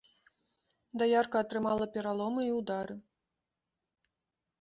Даярка атрымалі пераломы і ўдары.